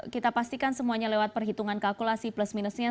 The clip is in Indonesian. kita pastikan semuanya lewat perhitungan kalkulasi plus minusnya